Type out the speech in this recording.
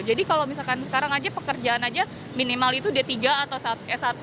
jadi kalau misalkan sekarang aja pekerjaan aja minimal itu d tiga atau s satu